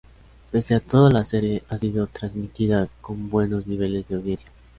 Pese a todo la serie ha sido retransmitida con buenos niveles de audiencia.